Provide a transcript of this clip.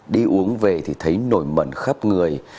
đi uống về thì thấy nổi mẩn khắp người